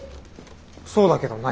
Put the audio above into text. そうだけど何？